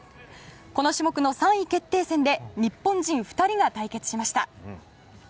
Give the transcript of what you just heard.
この種目の３位決定戦で日本人２人が対決しました。